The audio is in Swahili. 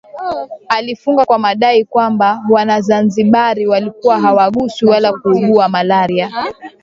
Alifunga kwa madai kwamba Wazanzibari walikuwa hawaguswi wala kuugua malaria